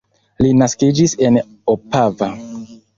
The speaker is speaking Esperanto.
Li naskiĝis en Opava.